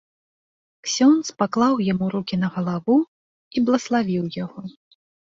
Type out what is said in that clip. Ксёндз паклаў яму рукі на галаву і блаславіў яго.